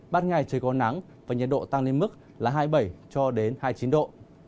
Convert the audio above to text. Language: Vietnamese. ban ngày trời còn nắng và nhiệt độ tăng lên mức là hai mươi bảy hai mươi chín độ